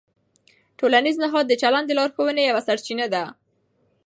ټولنیز نهاد د چلند د لارښوونې یوه سرچینه ده.